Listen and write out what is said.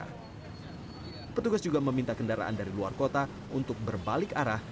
petugas juga meminta kendaraan dari luar kota untuk berbalik arah